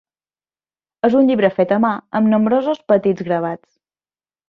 És un llibre fet a mà amb nombrosos petits gravats.